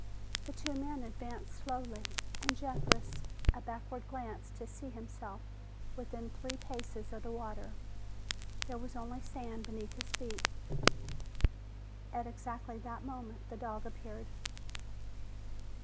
The two men advanced slowly, and Jeff risked a backward glance to see himself within three paces of the water. There was only sand beneath his feet. At exactly that moment, the dog appeared.